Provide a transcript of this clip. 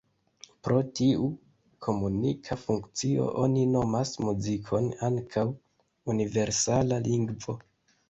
Pro tiu komunika funkcio oni nomas muzikon ankaŭ ""universala lingvo"".